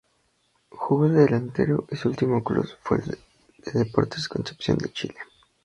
Jugó de delantero y su último club fue el Deportes Concepción de Chile.